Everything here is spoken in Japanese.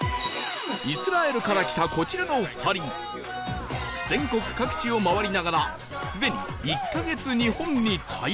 イスラエルから来たこちらの２人も全国各地を回りながらすでに１カ月日本に滞在